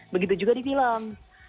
begitu juga di film